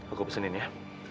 aku pesenin ya